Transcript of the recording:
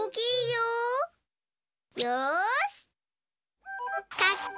よし。